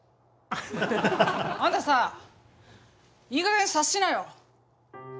あんたさいいかげん察しなよ。